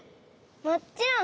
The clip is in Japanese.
もっちろん！